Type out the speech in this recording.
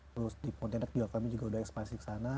terus di pontianak juga kami juga sudah ekspansi ke sana